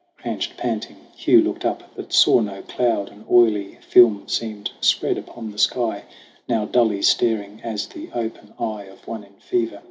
Crouched, panting, Hugh looked up but saw no cloud. An oily film seemed spread upon the sky Now dully staring as the open eye Of one in fever.